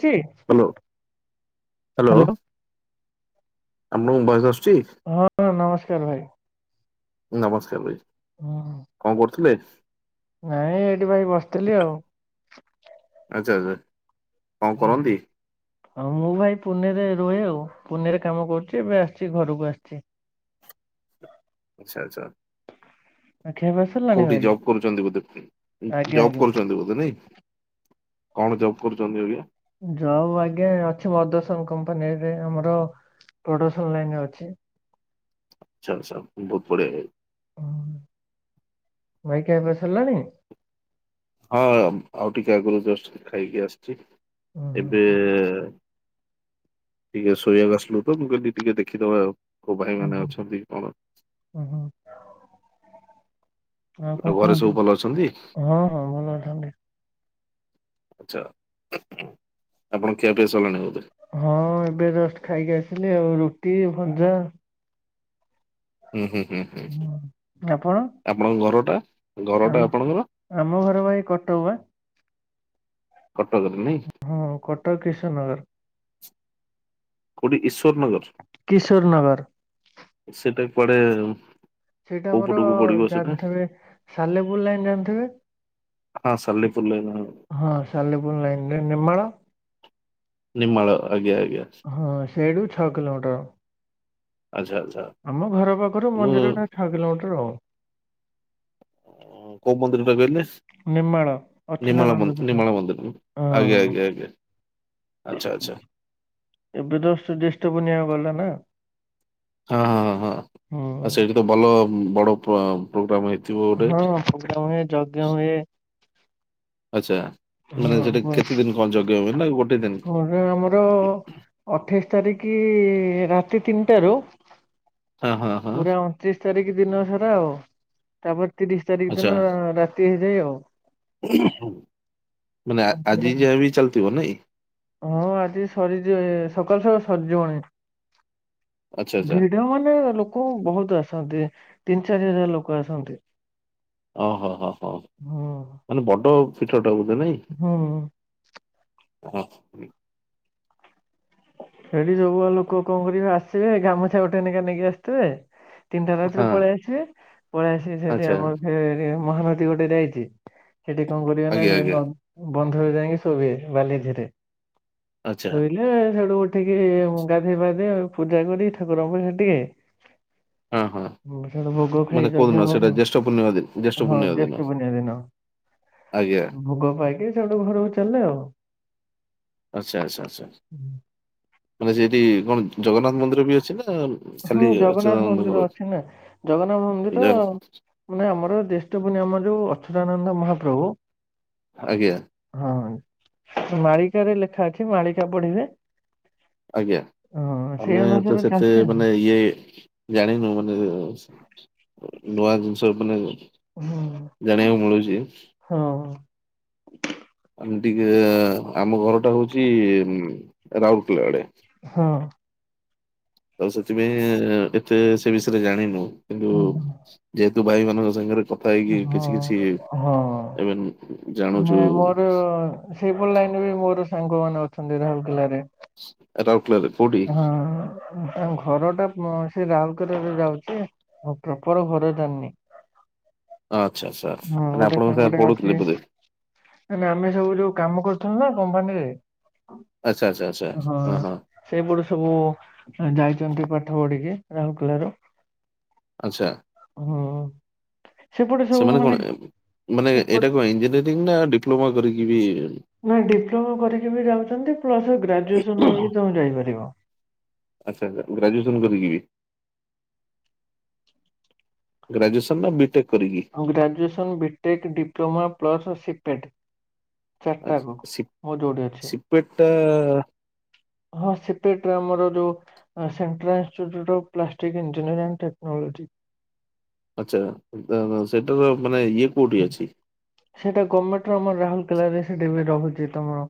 ଥି hello hello. ଆମ ବୈଦ ସ ହଁ ନମସ୍କାର ଭାଇ। ନମସ୍କାର ଭାଇ ହଁ କଣ କରୁଥିଲେ? ନାଇଁ ଏଇଠି ଭାଇ ବସିଥିଲି ଆଉ। ଆଚ୍ଛା ଆଚ୍ଛା କଣ ହୁଁ। କରନ୍ତି? ହଁ ମୁଁ ଭାଇ ପୁନେରେ ରୁହେ ଆଉ ପୁନେରେ କାମ କରୁଛି ଏବେ ଆସିଛି ଘରକୁ ଆସିଛି। ଆଚ୍ଛା ଆଚ୍ଛା। ଆଉ ଖିଆ ପିଆ ସରିଲାଣି କୋଉଠି ଭାଇ ଜବ୍ କରୁଛନ୍ତି ବୋଧେ ଉଁ ଆଜ୍ଞା ଜବ ଆଜ୍ଞା। କରୁଛନ୍ତି ବୋଧେ ନାଇଁ? କଣ ଜବ୍ କରୁଛନ୍ତି ଆଜ୍ଞା? ଜବ ଆଜ୍ଞା ଅଛି ମଦର ସୋପ କମ୍ପାନୀରେ ଆମର। ପ୍ରଡକ୍ସନ ଲାଇନରେ ଅଛି। ଆଚ୍ଛା ଆଚ୍ଛା ବହୁତ ବଢିଆ ଆଜ୍ଞା। ଭାଇ ଖିଆପିଆ ସାରିଲାଣି? ହଁ ଅମ ଆଉ ଟିକେ ଆଗରୁ ଜଷ୍ଟ ଖାଇକି ଆସିଛି ଏବେ। ହୁଁ ଟିକେ ଶୋଇବାକୁ ଆସିଲୁ ତ ମୁଁ କହିଲି ଟି-ଟିକେ ଦେଖିଦବା ଆଉ। କୋଉ ଭାଇ ମାନେ ଅଛନ୍ତି କଣ? ହୁଁ ଆଉ କଣ ଘରେ ସବୁ କୁହନ୍ତୁ? ଭଲ ଅଛନ୍ତି ହଁ ହଁ ଭଲ ଅଛନ୍ତି। ଆଚ୍ଛା ଆପଣଙ୍କ ଖିଆପିଆ ସରିଲାଣି ବୋଧେ? ହଁ ଏବେ ଜଷ୍ଟ ଖାଇକି ଆସିଲି ଆଉ ରୁଟି ଭଜା। ହୁଁ ହୁଁ ହୁଁ ହୁଁ ଆପଣ? ଆପଣଙ୍କ ଘର ଟା। ଆମ ଆମ ଘର ପା ଏଇ କଟକ ପା। କଟକ ହଁ କଟକ କିଶୋରନଗର। କୋଉଠି ଈଶ କିଶୋର ନଗର। ସେଟା କୁଆଡେ ଉଁ? ସେଇଟା ଆମର ଜାଣି ଥିବେ ସାଲେପୁର ଲାଇନ ଜାଣିଥିବେ। ହଁ ସାଲେପୁର ଲାଇନ୍। ହଁ ସାଲେପୁର ଲାଇନରେ ନେମାଳ ନିମଳ। ହଁ ସେଡ଼ୁ ଛଅ କିଲୋମିଟର। ଆଚ୍ଛା ଆଚ୍ଛା ଆମ ଘର ପାଖରୁ ମୁଁ ମନ୍ଦିର ଟା ଛଅ କିଲୋମିଟର ଆଉ କୋଉ ମନ୍ଦିର ଟା କହିଲେ? ନେମାଳ ନିମାଳ ଅଚ୍ୟୁତାନନ୍ଦ ବନ୍ଦ ପୀଠ ନିମାଳ ବନ୍ଦ ଆଜ୍ଞା ହଁ ଆଜ୍ଞା ଆଜ୍ଞା। ଆଚ୍ଛା ଆଚ୍ଛା ଏବେ ତ ଜଷ୍ଟ ଜ୍ୟେଷ୍ଠ ପୂର୍ଣ୍ଣିମା ଗଲାନା ହଁ ହଁ ହଁ ହଁ ହୁଁ ଆ ସେଇଠି ତ ଭଲ ବଡ ପ୍ରୋଗ୍ରାମ ହେଇ। ହଁ ପୋଗ୍ରାମ ହୁଏ ଯଜ୍ଞ ହୁଏ। ଆଚ୍ଛା ମାନେ ହଁ ସେଠି କେତେ ଦିନ କଣ ଯଜ୍ଞ ହୁଏ ନା ଗୋଟେ ଦିନ୍ ପ ହେ ଆମର ଅଠେଇଶି ତାରିଖ ରାତି ତିନିଟାରୁ ହଁ ହଁ ହଁ ପୁରା ଅଣତିରିଶ ତାରିଖ ଦିନ ସାରା ଆଉ ତାପରେ ତିରିଶ ତାରିଖ ଆଚ୍ଛା ଦିନ ରାତି ହେଇଯାଏ ଆଉ। ମାନେ ସନ୍ଧ୍ୟାରେ ଆଜି ଯାଏ ବି ଚାଲି ଥିବ ନାଇ। ହଁ ଆଜି ସରିଯିବ ସକାଳୁ ସକାଳୁ ସରିଯିବଣି। ଆଚ୍ଛା ଆଚ୍ଛା ଭିଡ଼ ମାନେ ଲୋକ ବହୁତ ଆସନ୍ତି। ତିନି ଚାରି ହଜାର ଲୋକ ଆସନ୍ତି। ଓ ହୋ ହ ହଁ ହୁଁ ମାନେ ବଡ ପିଠଟେ ଟଧ ନାଇଁ। ହୁଁ। [inaudible] ସେଠି ସବୁଆ ଲୋକ କଣ କରିବେ ଆସିବେ ଗାମୁଛା ଗଟେ ନେଖା ନେଇକି ଆସିଥିବେ। ତିନିଟା ରାତିରୁ ହଁ ପଳେଇ ଆସିବେ ପଳେଇ ଆସିକି ସେଠି ଆଚ୍ଛା ଆମର ସେ ମହାନଦୀ ଗୋଟେ ଯାଇଛି ସେଠି କଣ କରିବ ନା ଆଜ୍ଞା ସେ ଆଜ୍ଞା ବନ୍ଧ ହ ଯାଇକି ଶୋଇଏ [inaudible] ବାଲି ଧରେ। ଆଚ୍ଛା ଶୋଇଲେ। ସେଠୁ ଉଠିକି ଗାଧୋଇ ପାଧେମଇ ଆଉ ପୂଜାକରି ଠାକୁରଙ୍କୁ ସେ ଟିକେ। ହଁ ହଁ। ହଁ ସେଟ ଭୋଗ ଖାଇ ମାନେ କୋଉଦିନ ଯଜ୍ଞା କଣ ସେଇଟା ଜ୍ୟେଷ୍ଠ ପୂର୍ଣ୍ଣିମା ଦିନ ଜ୍ୟେଷ୍ଠ ହଁ ପୂର୍ଣ୍ଣିମା ଦିନ ଜେଷ୍ଠ ପୁନିମା ଦିନ। ଆଜ୍ଞା। ଭୋଗ ପାଇକି ସେଇଠୁ ଘରକୁ ଚାଲିଲେ ଆଉ। ଆଚ୍ଛା ଆଚ୍ଛା ଆଚ୍ଛା। ମାନେ ସେଇଠି କଣ ଜଗନ୍ନାଥ ମନ୍ଦିର ବି ଅଛି ନା ହୁଁ ଖାଲି ଜଗନ୍ନାଥ ଅଚ୍ୟୁତାନନ୍ଦଙ୍କର ମନ୍ଦିର ଅଛି ନା ଜଗନ୍ନାଥ ମନ୍ଦିର ତ ଜଗନ୍ନାଥ ମାନେ ଆମର ଜ୍ୟେଷ୍ଠ ପୁନେଇଁ ଆମର ଯୋଉ ଅଚୁଦାନନ୍ଦ ମହାପ୍ରଭୁ। ଆଜ୍ଞା। ହଁ ମାଳିକାରେ ଲେଖା ଅଛି ମାଳିକା ପଢ଼ିବେ। ଆଜ୍ଞା ଆମେ ତ ଅନୁସାରେ ସେତେ ଚାଲିଛି ଆଉ। ମାନେ ଇଏ। ଜାଣିନୁ ମାନେ ନୂଆ ଜିନିଷ ମାନେ। ହୁଁ ଜାଣିବାକୁ ମିଳୁଛି। ହଁ। ଆମେ ଟିକେ ଆମ ଘରଟା ହଉଛି ରାଉରକେଲା ଆଡ଼େ। ହଁ। ଆଉ ସେଥିପାଇଁ ଏତେ ସେ ବିଷୟରେ ଜାଣିନୁ କିନ୍ତୁ ଯେହେତୁ ତୁ ଭାଇ ମାନଙ୍କ ସାଙ୍ଗରେ କଥା ହେଇକି ହଁ କିଛି କିଛି ଏମେ ନା ମୋର ସେଇପରି ଲାଇନ୍ ବି ମୋର ସାଙ୍ଗ ମାନେ ଅଛନ୍ତି ରାଉରକେଲଲା ରେ [inaudible] ଏଟା ହଁ ଘରଟା ମ ସେ ରାଉଲକେଲାରେ ଯାଉଛି ଆ ପ୍ରପର ଘର ଜାଣିିନି। ଆଚ୍ଛା ଆଚ୍ଛା ହଁ ମାନେ ଗୋଟେ ଆପଣଙ୍କ ସାର୍ ସାଙ୍ଗଟେ ପଢୁଥିଲେ ଅଛି ବୋଧେ ଆମେ ଆମେ ସବୁ ଯୋଉ କାମ କରୁ। ନା କମ୍ପାନୀରେ। ଆଚ୍ଛା ଆଚ୍ଛା ଆଚ୍ଛା ହଁ ସେଇପଟୁ ସବୁ ଯାଇଛନ୍ତି ପାଠ ପଢ଼ିକିଇ ରାହୁଲ୍ କେଲାରେ। ଆଚ୍ଛା। ସେପଟେ ସବୁ ସେମାନେ ମାନେ କଣ ମାନେ ସେପଟ ଏଇଟାକୁ ଇଞ୍ଜିନିୟରିଂ ନା ଡିପ୍ଲୋମା କରିକି ବି ନାଇ ଡିପ୍ଲୋମା କରିକି ବି ଯାଉଚନ୍ତି। ପ୍ଲସ୍ ଗ୍ରାଜୁଏସନ ର ବି ତୋମେ ଯାଇପାରିବ। ଆଚ୍ଛା ଆଚ୍ଛି ଗ୍ରାଜୁଏସନ କରିକି ବି? ଗ୍ରାଜୁଏସନ୍ ନା ବିଟେକ୍? କରିକି ଅଁ, ଗ୍ରାଜୁଏସନ୍, ବିଟେକ୍, ଡିପ୍ଲୋମା ପ୍ଲସ୍ ସିଟେଡ୍। ଚାରଟା ଆଚ୍ଛା କୁ ସି ମୋ ଯୋଉଟି ଅଛି। ସିପେଟ ଟା ହଁ ସିଟେଟ୍ ରେ ଆମର ଯୋଉ ଅ, ସେଣ୍ଟ୍ରାଲ୍ ସେ ଯୋଉଟା ପ୍ଲାଷ୍ଟିକ୍ ଇଞ୍ଜିନିୟର ଜାଣିଚ ଟେକ୍ନୋଲୋଜି? ଆଚ୍ଛା ନା ନା ସେଟାର ମାନେ ଇଏ କୋଉଟି ଅଛି? ସେଟା ଗମେଣ୍ଟ ଆମର ରାହୁଲକେଲାରେ ସେଠି ବି ରହୁଚି ତୋମର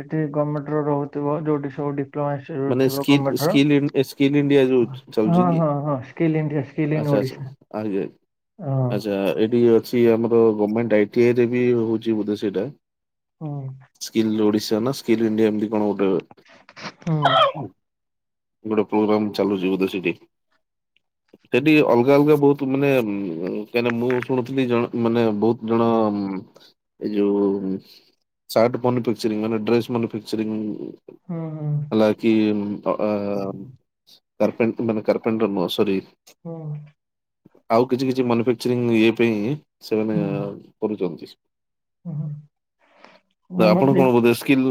ସେଠି ଗମେଣ୍ଟ ରେ ବହୁତ ଭ ମା ଯୋଉଟି ସୋଉଟି ମାନେ skill a skill in a skill India ଯୋଉ ହଁ ଚାଲୁଚି କି? ହଁ ହଁ ସ୍କିଲ୍ ଇଣ୍ଡିଆ ସ୍କିଲ୍ ଇନ୍ ଆଚ୍ଛା, ଆଚ୍ଛା, ଓଡିଶା ଆଜ୍ଞା, ହଁ ଆଚ୍ଛା ଏଠି ଅଛି ଆମର ଗମେଣ୍ଟ ଆ ଟେଜ ବି ହଉଚି ବୋଧେ ସେଇଟା ହୁଁ ସ୍କିଲ୍ ଓଡିଶା ନା ସ୍କିଲ୍ ଇଣ୍ଡିଆ ଏମତି କଣ ଗୋଟେ ହୁଁ ଗୋଟେ ପ୍ରୋଗ୍ରାମ୍ ଚାଲୁଚି ବୋଧେ ସେଇଠି? ସେଠି ଅଲଗା ଅଲଗା ବହୁତ ମାନେ ଉଁ, କାହିଁନା ମୁଁ ଶୁଣୁଥିଲି ଜଣ ମାନେ ବହୁତ ଜଣ ଉଁ, ଉଁ, ଏ ଯୋଉା ଉଁ, ସାର୍ଟ ପନ ପିନଛନି ମାନେ ଡ୍ରେସ୍ ମାନେ ପିନଛନି ଉଁ, ହୁଁ ହୁଁ। ଆଲା କିି ଉଁ, ଅ, ଆ, କାର୍ପେଣ୍ଟ ମାନେ କାର୍ପ ପେଣ୍ଡ ନ ସରି ହଁ। ଆଉ କିଛି କିଛି ମନିଫେକ୍ଚରିଂ ଇଏ ପାଇଁ ସେମାନେ ହୁଁ କରୁଚନ୍ତି। ହୁଁ ନା ଆମର ଆପଣ ସେ କଣ ବୋଧେ ସ୍କିଲ୍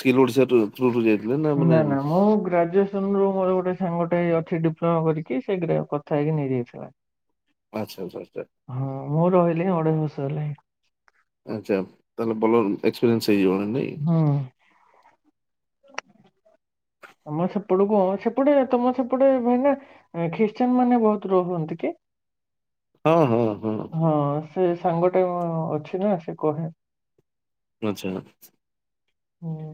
ସ୍କିଲ୍ ଓଡିଶା [unintelligible] ନା ନା ମୁଁ ଗ୍ରାଜୁଏସନ ରୁ ମୋର ଗୋଟେ ସାଙ୍ଗଟେ ଅଛି ଡିପ୍ ଫର୍ମ ଭରିକି ସେଇ ଦିନ କଥା ହେଇକି ନେଇଯାଇଥିଲା। ଆଚ୍ଛା, ଆଚ୍ଛା। ହଁ ମୁଁ ରହିଲି ଅଢେଇ ବର୍ଷ ହେଲାଣି। ଆଚ୍ଛା ତାହେଲେ ଭଲ ଏସପିରିଏନ୍ସ ସେଇଯିବଣି ନାଇ? ହୁଁ। [unintelligible] କଣ ସେପଟେ ତୋମ ସେପଟେ ଭାଇନା ଏ ଖ୍ରୀଷ୍ଟିୟାନ ମାନେ ବହୁତ ରହନ୍ତି କି? ହଁ, ହଁ। ହଁ ସେ ସାଙ୍ଗ ଟା ମୋ ଅଛି ନା ସେ କହେ। ଆଚ୍ଛା। ହଁ।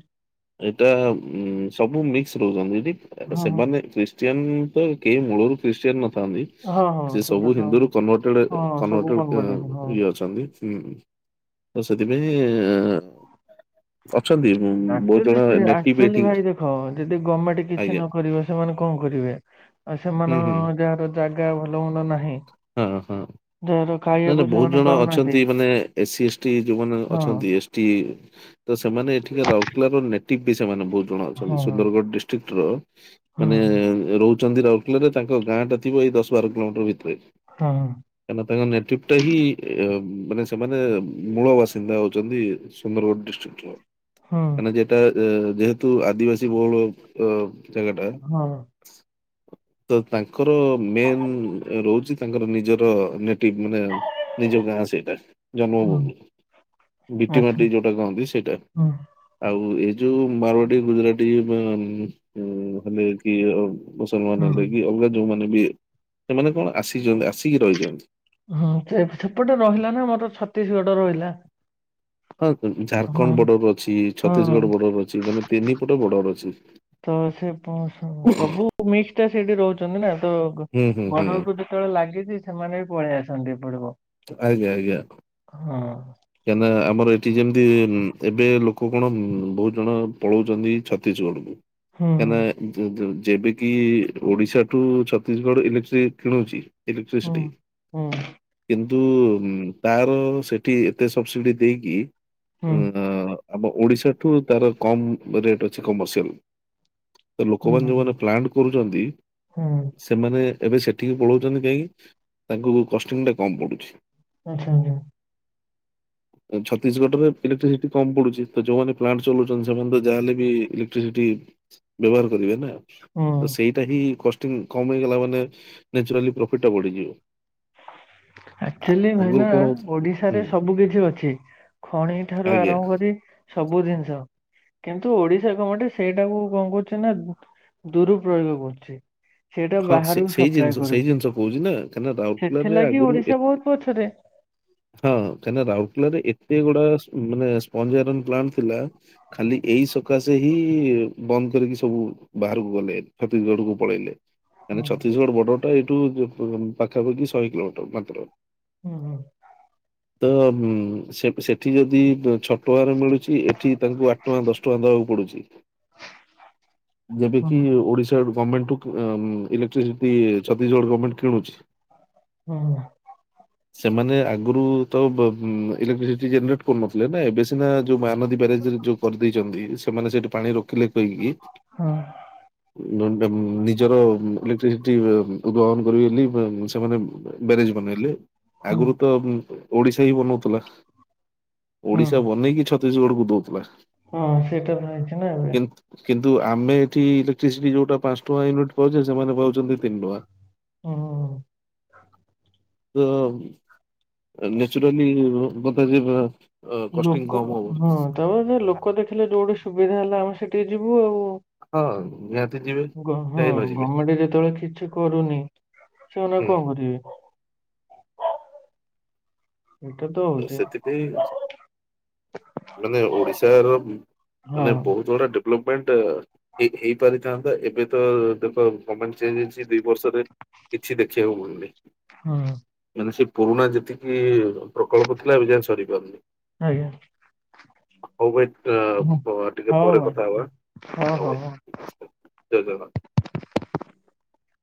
ଏଟା ଉଁ, ସବୁ ମିକ୍ସ ରହୁଛନ୍ତି ଏଠି ଏଟା ହଁ ସେମାନେ ଖ୍ରୀଷ୍ଟି ୟାନ ତ କେ ମୂଳରୁ ଖ୍ରୀଷ୍ଟିୟାନ୍ ନ ଥାନ୍ତି। ହଁ ହଁ ହଁ ସିଏ ସବୁ ସେଇଟା ତ ହିନ୍ଦୁରୁ କନଭଟେଡ୍ ଏ ହଁ ସବୁ କନଭଟେଡ୍ଏ କନଭର୍ଟ ହେଇଛନ୍ତି ହଁ ଇଏ ଅଛନ୍ତି। ହୁଁ, ତ ସେଥିପାଇଁ ଅଛନ୍ତି ବହୁତ ଜଣ ଏ ନେଟିଭ୍ ଆକ୍ଚୁଆଲି ଏଠି ଭାଇ ଦେଖ ଯଦି ଗମେଣ୍ଟ କିଛି ଆଜ୍ଞା ନ କରିବ ସେମାନେ କଣ କରିବେ। ଆଉ ହୁଁ ସେମାନଙ୍କ ହୁଁ ହଁ ଯାହାର ଜାଗା ଭଲ ମ ହଁ, ହଁ। ନାଇ ଖାଇବାକୁ ନାଇ ବହୁତ ସେମାନେ ଜଣ ପାଉନାହାନ୍ତି ଅଛନ୍ତି ମାନେ ଏ ସି, ଏସ୍ ଟି ଯୋଉମାନେ ହଁ ଅଛନ୍ତି। ଏସ୍ ଟି ତ ସେମାନେ ଏଠି କା ରାଉରକେଲାର ନେଟିବ୍ ବି ସେମାନେ ବହୁ ଜଣ ଅଛନ୍ତି। ହଁ ସୁନ୍ଦରଗଡ଼ ଡିଷ୍ଟ୍ରିକ୍ ର ହଁ ମାନେ ରହୁ ଛନ୍ତି ରାଉରକେଲାରେ ତାଙ୍କ ଗାଁ ଟା ଥିବ ଏ ଦଶ ବାର କିଲୋମିଟର୍ ଭି ତରେ ହଁ କାଇନା ନେଟିବ୍ ଟା ହିଁ ଏ, ଉଁ, ମାନେ ସେମାନେ ମୂଳ ବାସିନ୍ଦା ହଉଛନ୍ତି ସୁନ୍ଦରଗଡ଼ ଡିଷ୍ଟ୍ରିକ୍ ର। ହଁ ମାନେ ଯେଟା ଏ ଯେହେତୁ ଆଦିବାସୀ ବହୁଳ ଅ, ଜାଗାଟା। ହଁ ତ ତାଙ୍କର ମେନ୍ ରହୁଛି ତାଙ୍କର ନିଜର ମାନେ ନିଜ ଗାଁ ସେଇଟା ହଁ ଜନ୍ମଭୂମି। ବିଟି ଆଚ୍ଛା ମାଟି ଯୋଉଟା କହନ୍ତି ସେଇଟା ହୁଁ ଆଉ ଏଉ ଯୋଉ ବାରବାଟୀ ଗୁଜୁରାଟି ହେଲେ କି ମୁସଲମାନ ହୁଁ ହେଲେ କି ଅଲଗା ଯୋଉମାନେ ବି ସେମାନେ କଣ ଆସିଛନ୍ତି। ଆସିକି ରହିଛନ୍ତି। ହଁ ସେପଟେ ରହିଲା ନା ମୋର ଛତିସିଗଡ ରହିଲା। ହଁ ହଁ ଝାାରଖଣ୍ଡ ବର୍ଡର ଅଛି ହଁ ଛତିସିଗଡ ବର୍ଡର ଅଛି ମାନେ ତିନିପଟେ ବର୍ଡର ଅଛି। ତ ସେ ସବୁ ମିକ୍ସ ଟା ସେଇଠି ରହୁଛନ୍ତି ନା। ତ ହୁଁ ହୁଁ ହୁଁ ବଢରକୁ ଯେତେବେଳେ ଲାଗିଛି ସେମାନେ ବି ପଳେଇ ଆସନ୍ତି ଏପଟକୁ। ଆଜ୍ଞା ଆଜ୍ଞା। ହଁ। କାହିଁକିନା ଆମର ଏଠି ଯେମିତି ଏବେ ଲୋକ କଣ ବହୁତ ଜଣ ପଳଉଛନ୍ତି ଛତିସିଗଡ କୁ। ହୁଁ କାନା ଯେବେ କିି ଓଡିଶାଠୁ ଛତିସିଗଡ ଇଲେକ୍ଟ୍ରିକ କିଣୁଛି? ହୁଁ ଇଲେକ୍ଟ୍ରିସିଟି ହୁଁ କିନ୍ତୁ ତାର ସେଠି ଏତେ ସବସିଡି ଦେଇକି ହୁଁ ଉଦ ଆମ ଓଡିଶା ଠୁ ତାର କମ ରେଟ୍ ଅଛି କମର୍ସିଆଲ। ତ ହୁଁ ଲୋକମାନେ ଯୋଉମାନେ ପ୍ଲାଣ୍ଟ କରୁଛନ୍ତି ହୁଁ ସେମାନେ ଏବେ ସେଠିକି ପଳାଉଛନ୍ତି କାହିଁକି ତାଙ୍କୁ କଷ୍ଟ୍ୟୁମଟା କମ ପଡ଼ୁଛି। ଆଛା ଆଛା। ଛତିସିଗଡ ରେ ଇଲେକ୍ଟ୍ରିସିଟି କମ ପଡୁଛି ତ ଯୋଉମାନେ ପ୍ଲାଣ୍ଟ ଚଲଉଛନ୍ତି ସେମାନେ ତ ଯାହାହଲେ ବି ଇଲେକ୍ଟ୍ରିସିଟି ବ୍ୟବହାର କରିବେ । ହୁଁ ତ ସେଇଟା ହିଁ କଷ୍ଟିଂ କମ ହେଇଗଲା ମାନେ ନନ୍ୟଚୁରାଲି ପ୍ରଫିତି ଟା ବଢିଯିବ। ଆ ଆଚୁଆଲି ଆଗରୁ ଭାଇନା କଣ ହଉ ହୁଁ ଓଡିସାରେ ସବୁ କିଛି ଅଛି ଖଣି ଠାରୁ ଆଜ୍ଞା ଆରମ୍ଭ କରି ସବୁ ଜିନିଷ। କିନ୍ତୁ ଓଡିଶା ଗମେଟେ ସେଇଟାକୁ କଣ କରୁଛି ନା ଦୁରୁପ୍ରୟୋଗ କରୁଛି। ସେଇଟା ହଁ ସେ ବାହାରକୁ ସେଇ ସପ୍ଲାଏ ଜିନିଷ ସେଇ କରୁଛି ଜିନିଷ କହୁଛି ନା କାହିଁକିନା ରାଉରକେଲାରେ ସେଥିଲାଗି ଆଗରୁ ଏ ଓଡିଶା ବହୁତ ପଛରେ। ହଁ କାହିଁକି ରାଉରକେଲାରେ ଏତେ ଗୁଡା ମାନେ ସ୍ପ୍ଜ ଆଇରନ୍ ପ୍ଲାଣ୍ଟ ଥିଲା ଖାଲି ଏଇ ସକାଶେ ହିଁ ବନ୍ଦ କରିକି ସବୁ ବାହାରକୁ ଗଲେ ଛତିସିଗଡ କୁ ପଳେଇଲେ ମାନେ ହଁ ଛତିସିଗଡ ବର୍ଡର ଟା ଏଇଠୁ ପାଖାପାଖି ଶହେ କିଲୋମିଟର ମାତ୍ର ହୁଁ ହୁଁ। ତ ଉଁ ସେଠି ଯଦି ଛୋଟ ଟଙ୍କାରେ ମିଳୁଛି ଏଠି ତାଙ୍କୁ ଆଠ ଟଙ୍କା ଦଶ ଟଙ୍କା ଦେବାକୁ ପଡୁଛି। ଯେବେ କିି ହୁଁ ଓଡିଶାର ଗମେଟ୍ କୁ ଇଲେଟି ଜଦି ଛତିସିଗଡ଼ ଗର୍ଣମେଣ୍ଟ କିଣୁଛି। ହୁଁ। ସେମାନେ ଆଗରୁ ତ ଇଲେଟସି ଜନେଟ କରୁନଥିଲେ ନା ଏବେ ସିନା ଯୋଉ ମହାନଦୀ ବ୍ୟାରେଜରେ ଯୋଉ କରିଦେଇଛନ୍ତି ସେମାନେ ସେଠି ପାଣି କହି କି। ବେ ନିଜର ଇଲେକ୍ଟ୍ରିସିଟି ଉବହନ କରିବେବୋଲି ସେମାନେ ବ୍ୟାରେଜ ବନେଇଲେ। ହୁଁ ଆଗରୁ ତ ଓଡିଶା ହି ବନଉଥିଲା ହୁଁ ଓଡିଶା ବନେଇକି ଛତ ଛତିଶିଗଡ଼କୁ ଦେଉଥିଲା। ହଁ ସେଇଟା ବି ହେଇଛି ନା ଏବେ? କିନ୍ତୁ ଆମେ ଏଠି ଇଲେକ୍ଟ୍ରିସି ଯୋଉଟା ପାଞ୍ଚ ଟଙ୍କା ୟୁନିଟ ପାଉଛେ ସେମାନେ ପାଉଛନ୍ତି ତିନି ଟଙ୍କା। ହଉ ହଉ। ତ ନେଚୁରାଲି ବତଯେ ଲୋକ ହଁ ତାପ ଲୋକ ଦେଖିଲେ ଯୋଉଠି ସୁବିଧା ହେଲା ଆମେ ସେଠିକି ଯିବୁ ଆଉ। [unintelligible] ହଁ କାହିଁ ନ ଯିବେ ଗଭର୍ଣମେଣ୍ଟ ଯେତେବେଳେ କିଛି କରୁନି ସେମାନେ ହୁଁ କଣ କରିବେ। ଏଇଟା ତ ହଉଛି ସେଥିପାଇଁ ମାନେ ଓଡିଶା । ତାହାର ହଁ ମାନେ ବହୁତ ବଡ ଡେ ଭଲପମେଣ୍ଟ ହେଇ ହେଇପାରି ଥାନ୍ତା ଏବେ ତ ଦେଖ ଗମେଣ୍ଟ । ଚେଞ୍ଜ ହେଇଛି ଦୁଇ ବର୍ଷରେ କିଛି ଦେଖିବାକୁ ମିଳୁନି । ହଁ । ସେ ପୁରୁଣା ଯେତିକି ପ୍ରକଳ୍ପ ଥିଲା ଏବେ ଯାଏ ସରିପାରୁନି । ଆଜ୍ଞା । ହଉ ଭାଇ ଆ ପ ଟିକେ ହଉ ପରେ ଭାଇ କଥା ହବା ହଉ ଭାଇ । ଜାଇକା କା